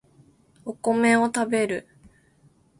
お米を食べる